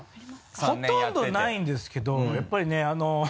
ほとんどないんですけどやっぱりね。